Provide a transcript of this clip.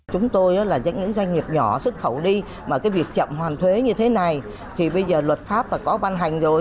chúng tôi là những doanh nghiệp nhỏ xuất khẩu đi mà cái việc chậm hoàn thuế như thế này thì bây giờ luật pháp có ban hành rồi